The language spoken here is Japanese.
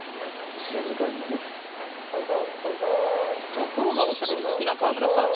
ところがおしゃべり好きな川村さん